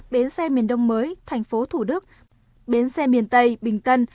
bến xe miền đông mới tp thủ đức bến xe miền tây bình tân